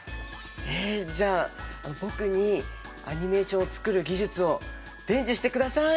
えじゃあ僕にアニメーションを作る技術を伝授してください！